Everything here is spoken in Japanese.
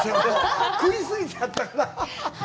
食い過ぎちゃったから。